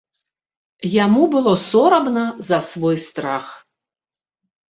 Яму было сорамна за свой страх.